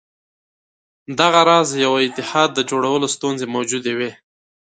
دغه راز یوه اتحاد د جوړولو ستونزې موجودې وې.